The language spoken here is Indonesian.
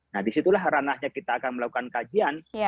nah disitulah ranahnya kita akan melakukan kajian